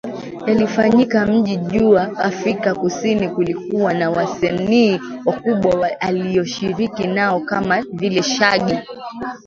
Yalifanyika mji jua Afrika Kusini kulikuwa na wasanii wakubwa aliyoshiriki nao kama vile Shaggy